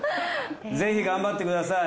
ぜひ頑張ってください。